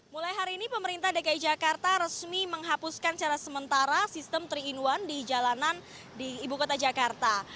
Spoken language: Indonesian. mulai hari ini pemerintah dki jakarta resmi menghapuskan secara sementara sistem tiga in satu di jalanan di ibu kota jakarta